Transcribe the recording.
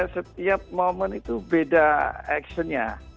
setiap momen itu beda actionnya